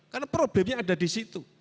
karena problemnya ada di situ